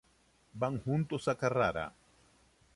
Van juntos a Carrara.